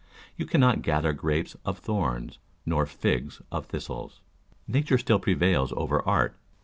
" You cannot gather grapes of thorns, nor figs of thistles." Nature still prevails over art.